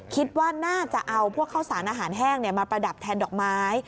คิดว่าน่าจะเอาพวกข้าวสารอาหารแห้งมาประดับแทนดอกไม้